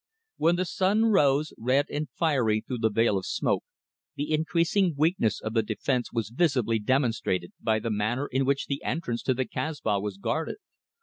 When the sun rose, red and fiery through the veil of smoke, the increasing weakness of the defence was visibly demonstrated by the manner in which the entrance to the Kasbah was guarded.